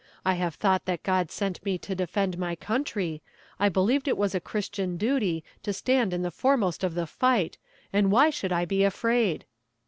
I have thought that God sent me to defend my country. I believed it was a christian duty to stand in the foremost of the fight, and why should I be afraid?"